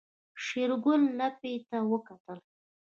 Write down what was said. شېرګل لمپې ته وکتل.